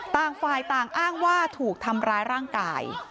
ต่างฝ่ายต่างอ้างว่าถูกทำร้ายร่างกาย